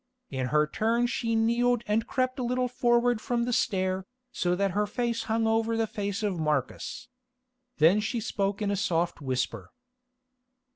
In her turn she kneeled and crept a little forward from the stair, so that her face hung over the face of Marcus. Then she spoke in a soft whisper.